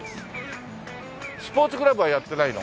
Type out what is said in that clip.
スポーツクラブはやってないの？